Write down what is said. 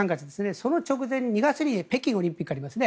その直前、２月に北京オリンピックがありますね。